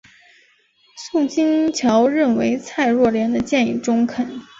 宋欣桥认为蔡若莲的建议中肯。